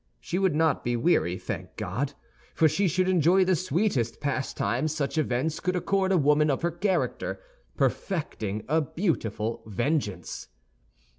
She would not be weary, thank God! for she should enjoy the sweetest pastime such events could accord a woman of her character—perfecting a beautiful vengeance.